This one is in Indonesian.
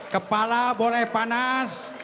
kepala boleh panas